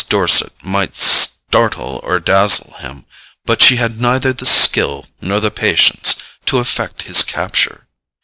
Dorset might startle or dazzle him, but she had neither the skill nor the patience to effect his capture.